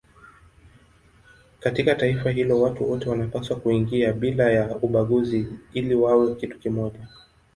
Katika taifa hilo watu wote wanapaswa kuingia bila ya ubaguzi ili wawe kitu kimoja.